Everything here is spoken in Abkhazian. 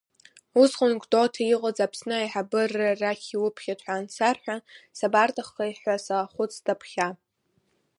Усҟан Гәдоуҭа иҟаз Аԥсны Аиҳабыра рахь иуԥхьеит ҳәа ансарҳәа, сабарҭаххеи ҳәа саахәыцт аԥхьа.